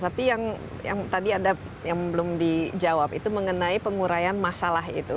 tapi yang tadi ada yang belum dijawab itu mengenai pengurayan masalah itu